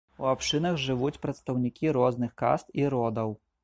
У абшчынах жывуць прадстаўнікі розных каст і родаў.